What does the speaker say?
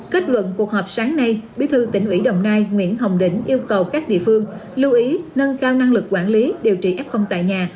kết luận cuộc họp sáng nay bí thư tỉnh ủy đồng nai nguyễn hồng định yêu cầu các địa phương lưu ý nâng cao năng lực quản lý điều trị f tại nhà